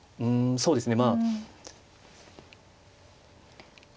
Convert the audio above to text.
そうですね。